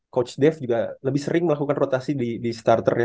coach dev juga lebih sering melakukan rotasi di starternya